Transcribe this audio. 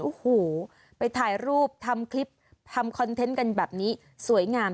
โอ้โหไปถ่ายรูปทำคลิปทำคอนเทนต์กันแบบนี้สวยงาม